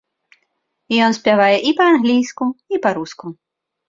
Ён спявае і па-англійску, і па-руску.